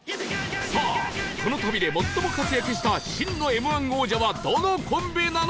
さあこの旅で最も活躍した真の Ｍ−１ 王者はどのコンビなのか？